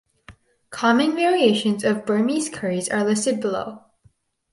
Common variations of Burmese curries are listed below.